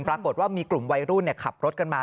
ปรากฏว่ามีกลุ่มวัยรุ่นขับรถกันมา